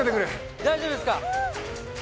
大丈夫ですか？